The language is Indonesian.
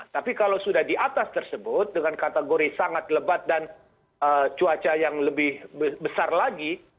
tapi kalau sudah di atas tersebut dengan kategori sangat lebat dan cuaca yang lebih besar lagi